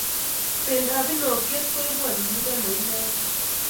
Pendap inokiet koipu anyinyindo ne inegei